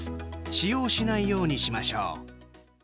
使用しないようにしましょう。